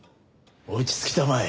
落ち着きたまえ。